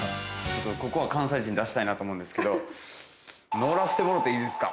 ちょっとここは関西人出したいなと思うんですけど。